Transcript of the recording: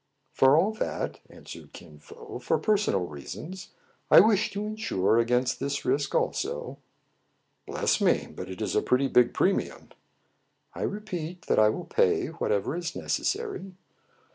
For all that," answered Kin Fo, " for personal reasons, I wish to insure against this risk also." " Bless me ! but \% is a pretty big premium." " I repeat that I will pay whatever is necessary."